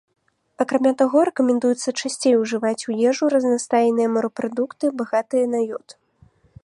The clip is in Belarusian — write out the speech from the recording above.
Акрамя таго, рэкамендуецца часцей ужываць у ежу разнастайныя морапрадукты, багатыя на ёд.